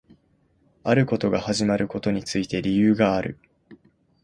あることが始まることについて理由がある